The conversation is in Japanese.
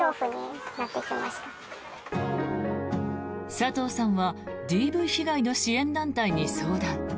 佐藤さんはＤＶ被害の支援団体に相談。